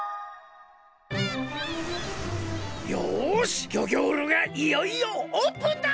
よしギョギョールがいよいよオープンだ！